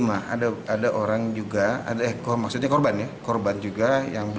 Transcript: ada orang juga maksudnya korban ya korban juga yang berusia